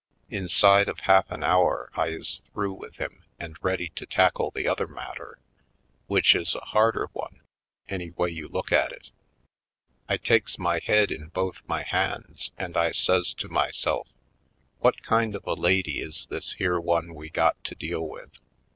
Inside of half an hour I is through with him and ready to tackle the other matter, which is a harder one, any way you look at it. I takes my head in both my hands and I says to myself : What kind of a lady is this here one we got to deal with?